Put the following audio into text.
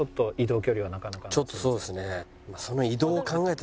ちょっとそうですね。